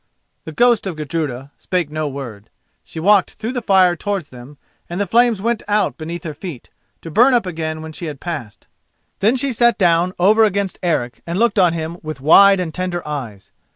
The ghost of Gudruda spake no word. She walked through the fire towards him, and the flames went out beneath her feet, to burn up again when she had passed. Then she sat down over against Eric and looked on him with wide and tender eyes.